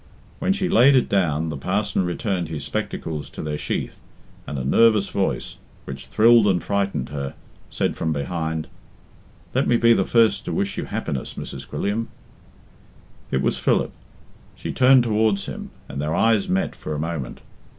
When she laid it down, the parson returned his spectacles to their sheath, and a nervous voice, which thrilled and frightened her, said from behind, "Let me be the first to wish you happiness, Mrs. Quilliam." It was Philip. She turned towards him, and their eyes met for a moment.